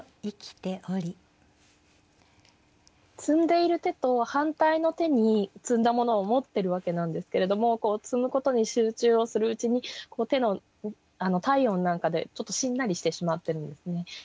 摘んでいる手と反対の手に摘んだものを持ってるわけなんですけれども摘むことに集中をするうちに手の体温なんかでちょっとしんなりしてしまってるんですね。